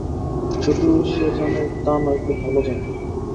শুধু যে জানে তা নয়-খুব ভালো জানে।